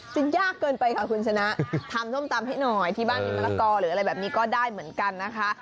ยากเกินไปค่ะคุณชนะทำส้มตำให้หน่อยที่บ้านมีมะละกอหรืออะไรแบบนี้ก็ได้เหมือนกันนะคะ